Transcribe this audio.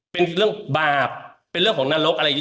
เป็นเรื่องบาปเป็นเรื่องของนรกอะไรอย่างนี้